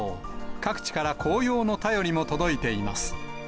各地から紅葉の便りも届いています。